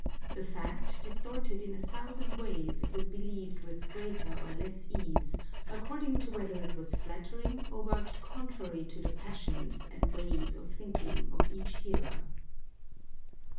The fact, distorted in a thousand ways, was believed with greater or less ease according to whether it was flattering or worked contrary to the passions and ways of thinking of each hearer.